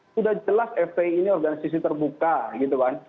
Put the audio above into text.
sudah jelas fpi ini organisasi terbuka